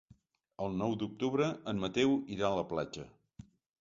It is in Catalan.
El nou d'octubre en Mateu irà a la platja.